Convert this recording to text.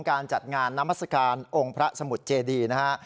การจัดงานนามัศกาลองค์พระสมุทรเจดีนะฮะ